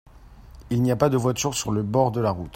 il n'y a pas de voiture sur le bord de la route.